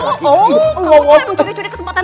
oh kamu tuh yang mencuri curi kesempatan